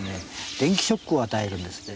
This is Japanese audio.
電気ショックを与えるんですね。